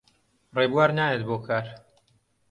ڕێبوار نایەت بۆ کار.